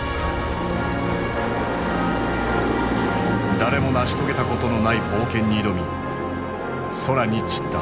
誰も成し遂げたことのない冒険に挑み空に散った。